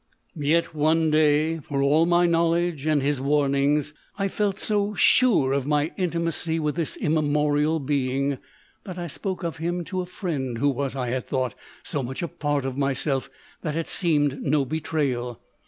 Yet one day, for all my knowledge and his warnings, I felt stf sure of my intimacy with this immemorial being, that I spoke of him to a friend who was, I had thought, so much a part of myself that it seemed no betrayal.